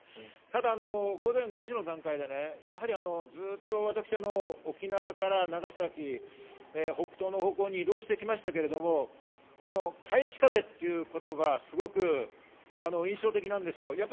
ただ、午前５時の段階でやはり、ずっと沖縄から長崎、北東の方向に移動してきましたが、返し風ということがすごく印象的なんです。